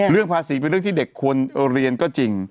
เรื่องภาษีเป็นเรื่องที่เด็กควรเรียนก็จริง